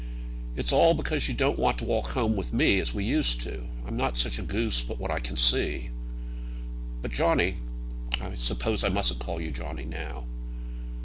"It's all because you don't want to walk home with me, as we used to do. I'm not such a goose but what I can see. But, Johnny I suppose I mustn't call you Johnny, now."